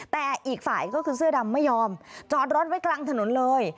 แต่อีกฝ่ายก็คือเสื้อดำไม่ยอมจอดรถไว้กลางถนนเลย